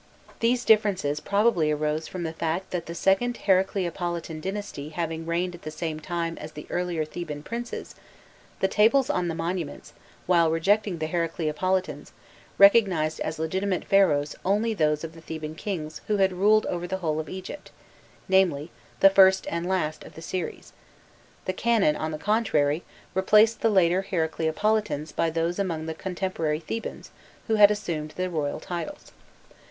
These differences probably arose from the fact that, the second Heracleopolitan dynasty having reigned at the same time as the earlier Theban princes, the tables on the monuments, while rejecting the Heracleopolitans, recognized as legitimate Pharaohs only those of the Theban kings who had ruled over the whole of Egypt, namely, the first and last of the series; the Canon, on the contrary, replaced the later Heracleopolitans by those among the contemporary Thebans who had assumed the royal titles.